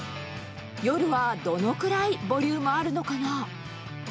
夜はどのくらいボリュームあるのかな。